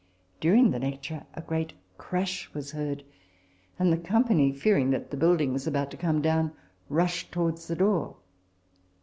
During the lecture, a great crash was heard ; and the company, fearing that the building was about to come down, rushed towards the door.